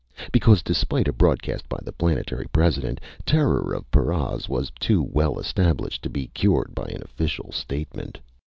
Because despite a broadcast by the planetary president, terror of paras was too well established to be cured by an official statement.